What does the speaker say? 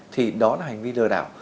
thì đó là hành vi lừa đảo